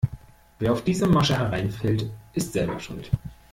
Wer auf diese Masche hereinfällt, ist selber schuld.